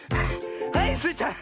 はいスイちゃん。